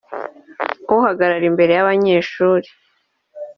uhagarara imbere y’abanyeshuri”